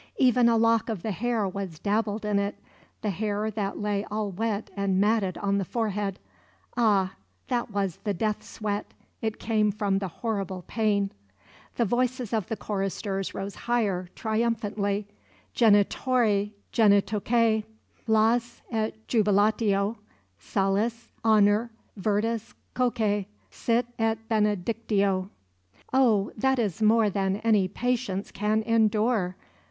Even a lock of the hair was dabbled in it, the hair that lay all wet and matted on the forehead ah, that was the death sweat; it came from the horrible pain. The voices of the choristers rose higher, triumphantly: "Genitori, genitoque, Laus et jubilatio, Salus, honor, virtus quoque, Sit et benedictio." Oh, that is more than any patience can endure!